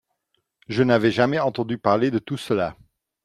Je n'avais jamais entendu parler de tout cela !